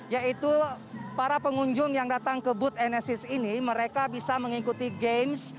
yaitu para pengunjung yang datang ke booth enesis ini mereka bisa mengikuti games